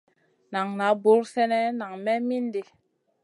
Nan na buur sènè nang may mindi.